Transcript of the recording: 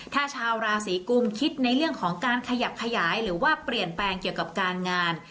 ถ้าชาวราศีกุมคิดในเรื่องของการขยับขยายหรือว่าเปลี่ยนแปลงเกี่ยวกับการงาน